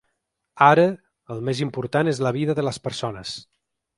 Ara el més important és la vida de les persones.